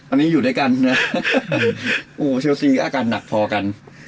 อันนี้อยู่ด้วยกันชิลซีอาการหนักพอกันน่ะ